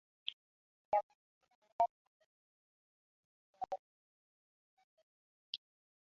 ya maeneo yale madogo ulikuwa utemi wa Moscow Watemi wa